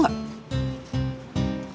gak mau mas bobby